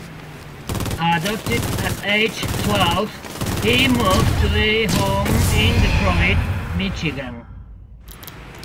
Adopted at age twelve, he moved to a home in Detroit, Michigan.